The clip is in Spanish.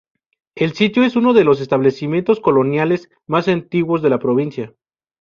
El sitio es uno de los establecimientos coloniales más antiguos de la provincia.